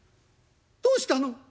「どうしたの？」。